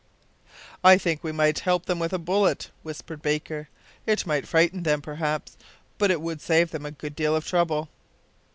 "I think we might help them with a butlet," whispered Baker. "It might frighten them, perhaps, but it would save them a good deal of trouble."